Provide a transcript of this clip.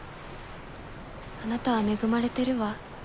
あなたは恵まれてるわ。